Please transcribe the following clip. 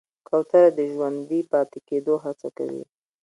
کوتره د ژوندي پاتې کېدو هڅه کوي.